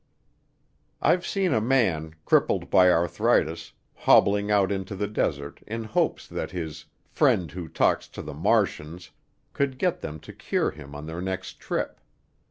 I've seen a man, crippled by arthritis, hobbling out into the desert in hopes that his "friend who talks to the Martians" could get them to cure him on their next trip.